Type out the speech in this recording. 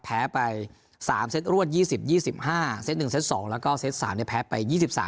แพ้ไป๓เซตรวด๒๐๒๕เซต๑เซต๒แล้วก็เซต๓แพ้ไป๒๓